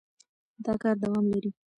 دا کار دوام لري.